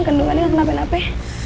gendungan ini kenapa napa